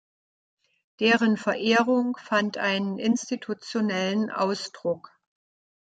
Deren Verehrung fand einen institutionellen Ausdruck.